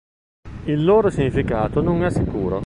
Il loro significato non è sicuro.